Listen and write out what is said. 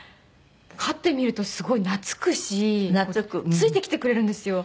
飼ってみるとすごい懐くしついてきてくれるんですよ。